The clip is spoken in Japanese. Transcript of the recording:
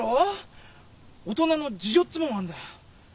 大人の事情っつうもんがあんだよ。